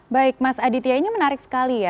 baik mas aditya ini menarik sekali ya